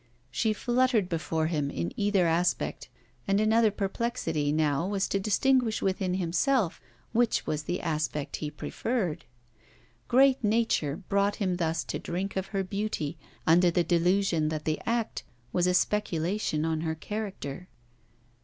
She fluttered before him in either aspect; and another perplexity now was to distinguish within himself which was the aspect he preferred. Great Nature brought him thus to drink of her beauty, under the delusion that the act was a speculation on her character.